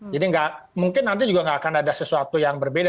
jadi nggak mungkin nanti juga nggak akan ada sesuatu yang berbeda